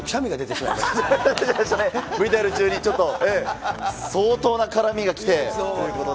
ＶＴＲ中にちょっと相当な絡みが来てということで。